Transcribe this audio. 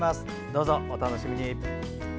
どうぞ、お楽しみに。